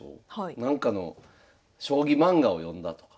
なんかの将棋漫画を読んだとか。